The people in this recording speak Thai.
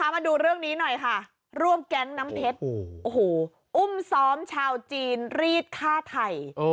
มาดูเรื่องนี้หน่อยค่ะรวบแก๊งน้ำเพชรอุ้มซ้อมชาวจีนรีดฆ่าไทย